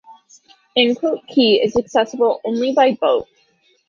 Anclote Key is accessible only by boat.